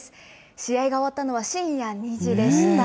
試合が終わったのは深夜２時でした。